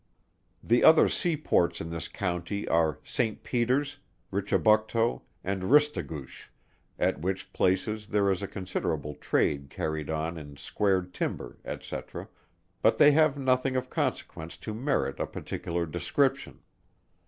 The other sea ports in this county are Saint Peters, Richibucto, and Ristigouche, at which places there is a considerable trade carried on in squared timber, &c. but they have nothing of consequence to merit a particular description.